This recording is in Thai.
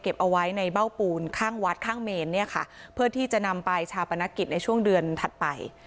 เอาไว้ในเบ้าปูนข้างวัดข้างเมนเนี่ยค่ะเพื่อที่จะนำไปชาปนกิจในช่วงเดือนถัดไป